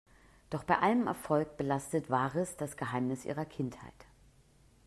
Doch bei allem Erfolg belastet Waris das Geheimnis ihrer Kindheit.